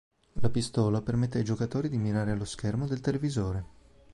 La pistola permette ai giocatori di mirare allo schermo del televisore.